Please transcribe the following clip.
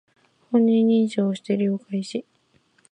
本人認証をして利用開始